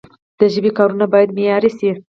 د ژبي کارونه باید معیاري سی.